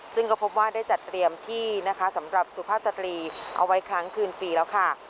ซึ่งก็พบว่าได้จัดเตรียมที่นะคะสำหรับสุภาพสตรีเอาไว้ครั้งคืนปีแล้วค่ะ